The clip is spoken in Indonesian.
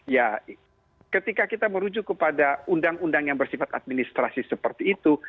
ya ketika kita merujuk kepada undang undang yang bersifat administrasi seperti itu